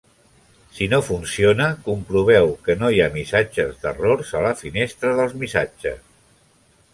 Si no funciona, comproveu que no hi ha missatges d'errors a la finestra dels missatges.